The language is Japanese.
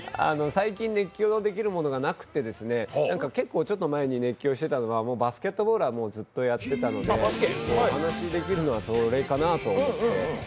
最近、熱狂のできるものがなくてですね、結構ちょっと前に熱狂していたのは、バスケットボールはずっとやっていたので、お話しできるのはそれかなと思って。